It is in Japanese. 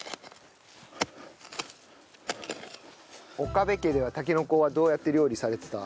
岡部家ではたけのこはどうやって料理されてた？